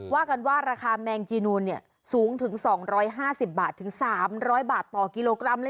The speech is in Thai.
ว่ากันว่าราคาแมงจีนูนสูงถึง๒๕๐บาทถึง๓๐๐บาทต่อกิโลกรัมเลย